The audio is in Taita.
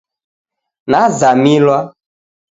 Nazamilwa